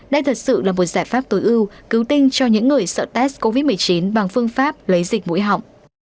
đây thật sự là một giải pháp tối ưu cứu tinh cho những người sợ test covid một mươi chín bằng phương pháp lấy dịch mũi họng